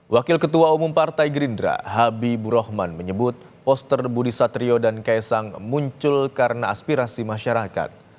wakil ketua umum partai gerindra habibur rahman menyebut poster budi satrio dan kaisang muncul karena aspirasi masyarakat